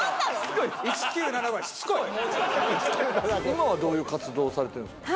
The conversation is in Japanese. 今はどういう活動をされてるんですか？